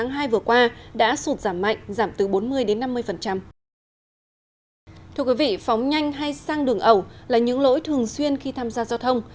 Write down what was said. thưa quý vị phóng nhanh hay sang đường ẩu là những lỗi thường xuyên khi tham gia giao thông